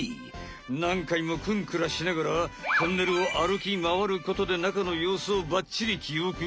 なんかいもクンクラしながらトンネルを歩きまわることで中のようすをバッチリ記憶。